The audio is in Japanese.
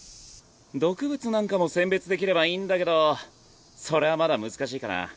毒物なんかも選別できればいいんだけどそれはまだ難しいかな。